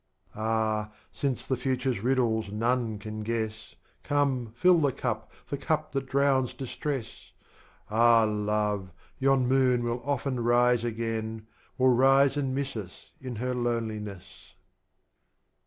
VIII. Ah, since the Future's Riddles none can guess, Come fill the Cup, the Cup that drowns Distress, Ah, Love, yon Moon will often rise again. Will rise and miss us in Her loneliness.